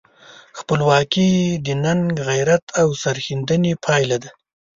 خپلواکي د ننګ، غیرت او سرښندنې پایله ده.